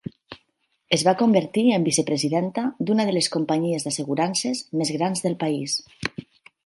Es va convertir en vicepresidenta d'una de les companyies d'assegurances més grans del país.